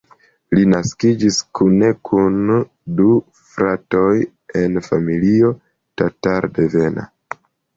Li naskiĝis kune kun du fratoj en familio tatar-devena.